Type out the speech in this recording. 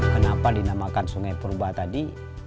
pertama sekali kita memakan sungai purba tadi